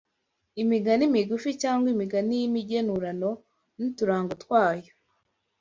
imigani migufi cyangwa imigani y’imigenurano n’uturango twayo